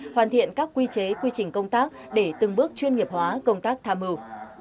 hoàn thiện các quy chế quy trình công tác để từng bước chuyên nghiệp hóa công tác tham mưu